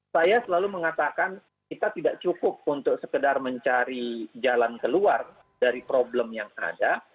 saya selalu mengatakan kita tidak cukup untuk sekedar mencari jalan keluar dari problem yang ada